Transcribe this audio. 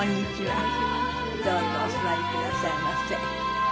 どうぞお座りくださいませ。